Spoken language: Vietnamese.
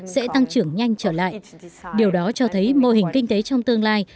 sẽ tăng trưởng nhanh trở lại điều đó cho thấy mô hình kinh tế trong tương lai